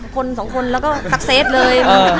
คนสองคนแล้วก็ทักเซตเลย